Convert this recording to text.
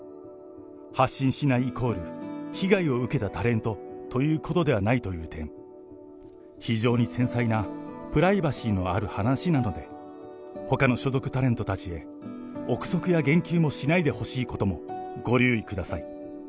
発信しないイコール被害を受けたタレントということではないという点、非常に繊細な、プライバシーのある話なので、ほかの所属タレントたちへ、臆測や言及もしないでほしいこともご留意ください。